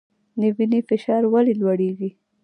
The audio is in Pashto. د وینې فشار ولې لوړیږي؟